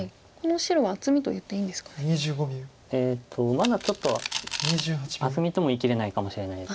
まだちょっと厚みとも言いきれないかもしれない。